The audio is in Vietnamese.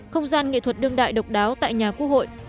không gian nghệ thuật đương đại độc đáo tại nhà quốc hội